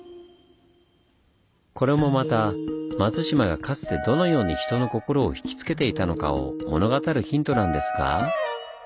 これもまた松島がかつてどのように人の心をひきつけていたのかを物語るヒントなんですが。